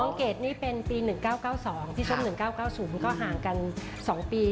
เกดนี่เป็นปี๑๙๙๒ที่ส้ม๑๙๙๐ก็ห่างกัน๒ปี